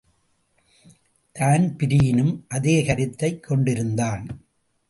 தான்பிரீனும் அதே கருத்தை கொண்டிருந்தான்.